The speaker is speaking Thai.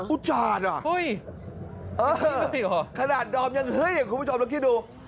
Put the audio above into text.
อู้จ๊าดเหรอคระดาษดรอบยังเฮ้ยคุณผู้ชมเราขี้ดู